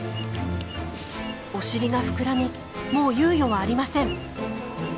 お尻が膨らみもう猶予はありません。